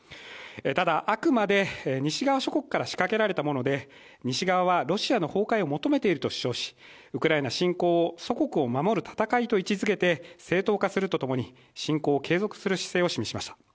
ただ、あくまで西側諸国から仕掛けられたもので西側はロシアの崩壊を求めていると主張し、ウクライナ侵攻を祖国を守る戦いと位置づけて正当化するとともに侵攻を継続する姿勢を示しました。